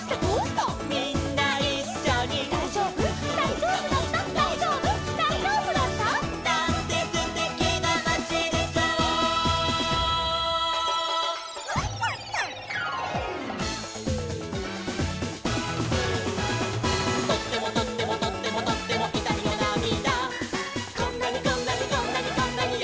「とってもとってもとってもとってもいたみのなみだ」